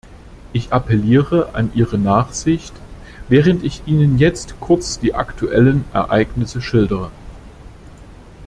Ich appelliere an Ihre Nachsicht, während ich Ihnen jetzt kurz die aktuellen Ereignisse schildere.